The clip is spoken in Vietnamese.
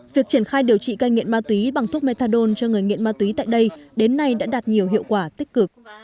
việc triển khai điều trị cai nghiện ma túy bằng thuốc methadone cho người nghiện ma túy tại đây đến nay đã đạt nhiều hiệu quả tích cực